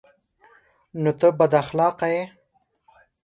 _نو ته بد اخلاقه يې؟